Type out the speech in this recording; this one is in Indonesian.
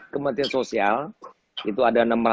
kementerian sosial itu ada